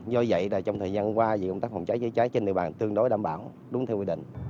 do vậy trong thời gian qua về công tác phòng cháy chữa cháy trên địa bàn tương đối đảm bảo đúng theo quy định